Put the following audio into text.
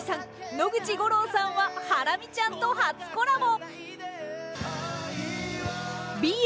野口五郎さんはハラミちゃんと初コラボ。